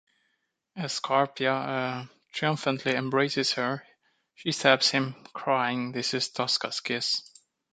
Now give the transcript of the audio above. As Scarpia triumphantly embraces her, she stabs him, crying "this is Tosca's kiss!".